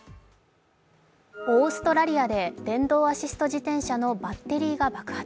オーストラリアで電動アシスト自転車のバッテリーが爆発。